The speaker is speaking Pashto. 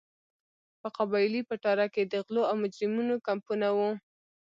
په قبایلي پټاره کې د غلو او مجرمینو کمپونه وو.